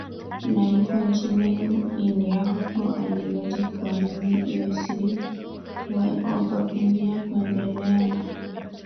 na yuko nchini India huku akihoji kwanini iwe siri watu wakapuuzia na kuendelea na